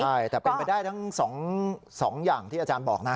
ใช่แต่เป็นไปได้ทั้ง๒อย่างที่อาจารย์บอกนะ